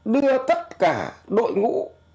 đưa tất cả đội ngũ